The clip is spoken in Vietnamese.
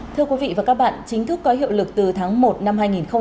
thưa quý vị và các bạn chính thức có hiệu lực từ tháng một năm hai nghìn hai mươi